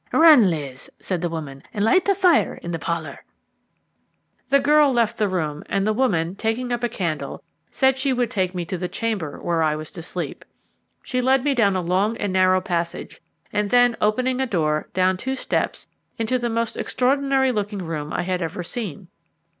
"Run, Liz," said the woman, "and light the fire in the parlour." The girl left the room, and the woman, taking up a candle, said she would take me to the chamber where I was to sleep. She led me down a long and narrow passage, and then, opening a door, down two steps into the most extraordinary looking room I had ever seen.